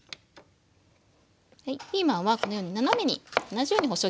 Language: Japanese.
はいピーマンはこのように斜めに同じように細切りに切って下さい。